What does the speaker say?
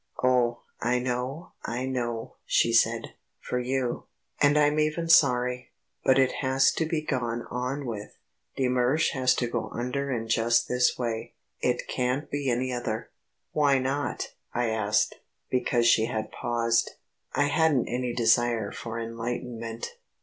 "Oh, I know, I know," she said, "for you.... And I'm even sorry. But it has to be gone on with. De Mersch has to go under in just this way. It can't be any other." "Why not?" I asked, because she had paused. I hadn't any desire for enlightenment.